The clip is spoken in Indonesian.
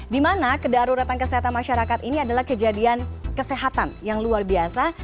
di mana kedaruratan kesehatan masyarakat ini adalah kejadian kesehatan yang luar biasa